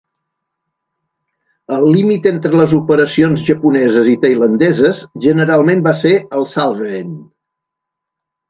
El límit entre les operacions japoneses i tailandeses generalment va ser el Salween.